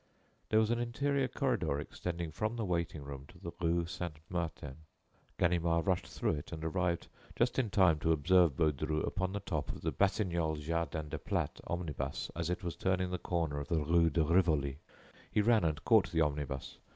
There was an interior corridor extending from the waiting room to the rue Saint Martin. Ganimard rushed through it and arrived just in time to observe Baudru upon the top of the Batignolles Jardin de Plates omnibus as it was turning the corner of the rue de Rivoli. He ran and caught the omnibus.